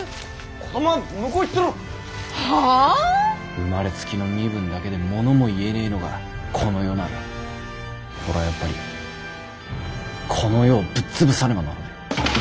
生まれつきの身分だけでものも言えねえのがこの世なら俺はやっぱりこの世をぶっ潰さねばならねえ。